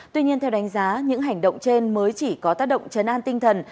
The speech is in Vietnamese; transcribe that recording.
tuy nhiên theo đánh giá những hành động trên mới chỉ có tác động chấn an tinh thần